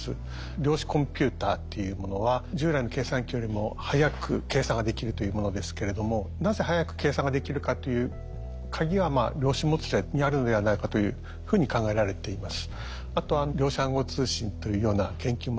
量子コンピューターっていうものは従来の計算機よりも速く計算ができるというものですけれどもなぜ速く計算ができるかというカギは量子もつれにあるのではないかというふうに考えられています。